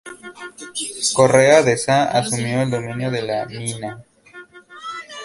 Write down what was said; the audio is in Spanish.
Correa de Saa "asumió" el dominio de la mina.